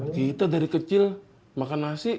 kita dari kecil makan nasi